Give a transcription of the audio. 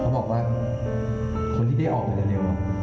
บอกว่าคนที่ได้ออกไปเร็ว